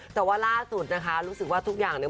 แต่ว่าล่าสุดนะคะรู้สึกว่าทุกอย่างเนี่ย